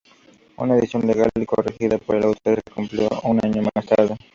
Una edición legal y corregida por el autor se imprimió un año más tarde.